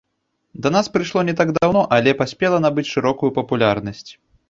Да нас прыйшло не так даўно, але паспела набыць шырокую папулярнасць.